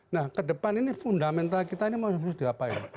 nah ke depan ini fundamental kita ini harus diapain